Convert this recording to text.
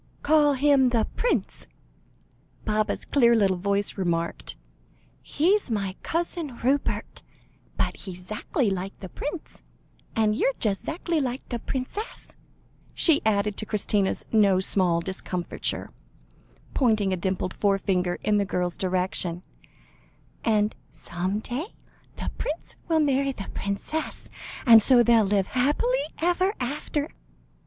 "Call him the prince," Baba's clear little voice remarked; "he's my Cousin Rupert, but he's 'zackly like the prince and you're just 'zackly like the princess," she added, to Christina's no small discomfiture, pointing a dimpled forefinger in the girl's direction, "and some day the prince will marry the princess, and so they'll live happy ever after."